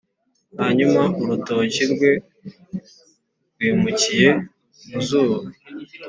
hanyuma urutoki rwe rwimukiye mu zuba,